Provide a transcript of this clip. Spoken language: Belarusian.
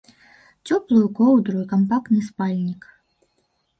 Цёплую коўдру і кампактны спальнік.